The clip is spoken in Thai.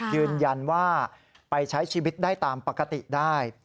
ยืนยันว่าไปใช้ชีวิตได้ตามปกติได้